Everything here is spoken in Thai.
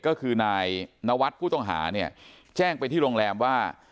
ก็คือนายนวัฒน์ผู้ต้องหาเนี่ยแจ้งไปที่โรงแรมว่า